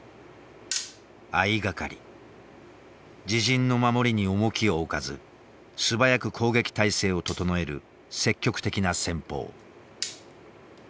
自陣の守りに重きを置かず素早く攻撃態勢を整える積極的な戦法。